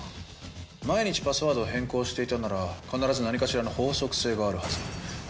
毎日パスワードを変更していたなら必ず何かしらの法則性があるはず。